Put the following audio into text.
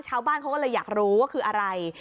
ชาวบ้านเขาก็เลยอยากรู้ว่าคืออะไร